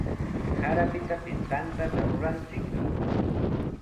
Sarapitapis tantaqa ruranchikmi.